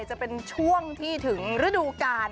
จะเป็นช่วงที่ถึงฤดูกาล